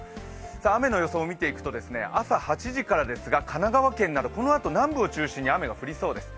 雨の予想を見ていくと、朝８時からですが、神奈川県などこのあと南部を中心に雨が降りそうです。